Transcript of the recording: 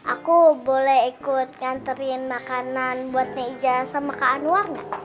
aku boleh ikut nganterin makanan buat nja ija sama kak anwar ya